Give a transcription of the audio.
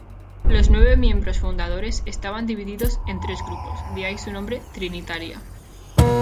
Los nueve miembros fundadores estaban divididos en tres grupos, de ahí su nombre "Trinitaria".